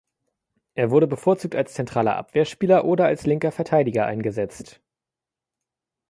Er wurde bevorzugt als zentraler Abwehrspieler oder als linker Verteidiger eingesetzt.